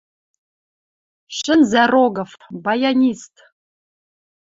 Шӹнзӓ Рогов — баянист.